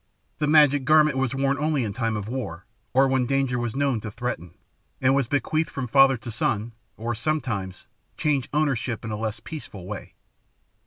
The magic garment was worn only in time of war, or when danger was known to threaten, and was bequeathed from father to son, or, sometimes, changed ownership in a less peaceful way.